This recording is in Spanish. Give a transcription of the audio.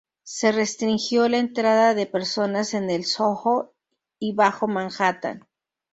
Se restringió la entrada de personas en el Soho y Bajo Manhattan.